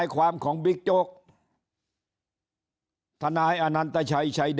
สู่ความของบิ๊กโยกทนายอตช๖๗